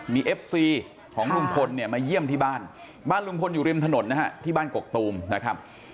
มีเอฟซีของลุงพลเนี่ยมาเยี่ยมที่บ้านบ้านลุงพลอยู่ริมถนนนะฮะที่บ้านกกตูมนะครับ